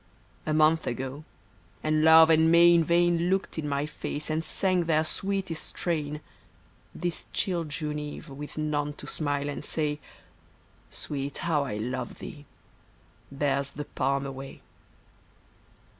A month ago, and Love and May in vain Looked in my face and sang their sweetest strain, This chill June eve with none to smile and say, " Sweet, how I love thee !" bears the palm away.